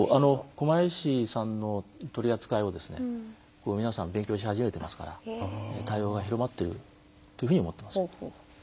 狛江市さんの取り扱いを皆さん勉強し始めてますから対応が広まっているというふうに思っています。